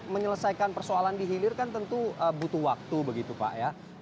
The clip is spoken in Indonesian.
menyelesaikan persoalan di hilir kan tentu butuh waktu begitu pak ya